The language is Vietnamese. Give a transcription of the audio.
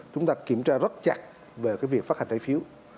chúng ta kiểm tra rất chặt về cái việc phát hành trái phiếu